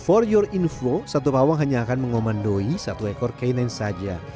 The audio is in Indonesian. untuk info kalian satu pawang hanya akan mengomandoi satu ekor canine saja